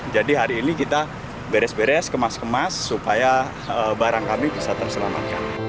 jadi hari ini kita beres beres kemas kemas supaya barang kami bisa terselamatkan